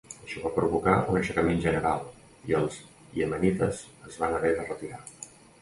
Això va provocar un aixecament general i els iemenites es van haver de retirar.